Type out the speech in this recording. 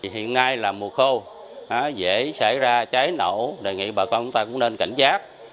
hiện nay là mùa khô dễ xảy ra cháy nổ đề nghị bà con chúng ta cũng nên cảnh giác